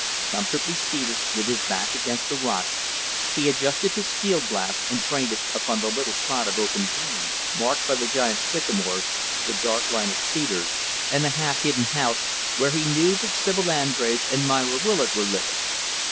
Comfortably seated, with his back against a rock, he adjusted his field glass and trained it upon the little spot of open green marked by the giant sycamores, the dark line of cedars, and the half hidden house where he knew that Sibyl Andrés and Myra Willard were living.